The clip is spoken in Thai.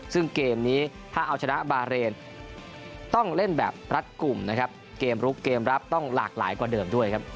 ซึ่งเกมนี้ถ้าเอาชนะบาเรนต้องเล่นแบบรัดกลุ่มนะครับเกมลุกเกมรับต้องหลากหลายกว่าเดิมด้วยครับ